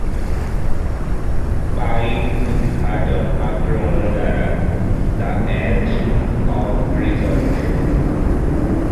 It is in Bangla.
পাইন উদ্ঘাটন আক্রমণ দ্বারা "দ্য এজ অফ রিজন" শুরু।